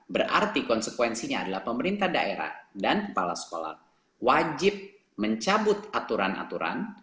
berarti konsekuensinya adalah pemerintah daerah dan kepala sekolah wajib mencabut aturan aturan